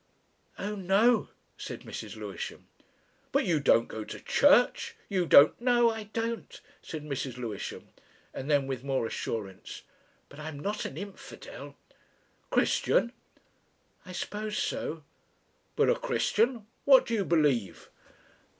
"Oh no," said Mrs. Lewisham. "But you don't go to church, you don't " "No, I don't," said Mrs. Lewisham; and then with more assurance, "But I'm not an infidel." "Christian?" "I suppose so." "But a Christian What do you believe?"